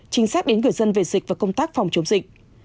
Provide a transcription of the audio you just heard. chính xác đến người dân về dịch và công tác phòng chống dịch